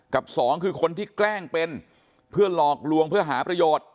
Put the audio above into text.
สองคือคนที่แกล้งเป็นเพื่อหลอกลวงเพื่อหาประโยชน์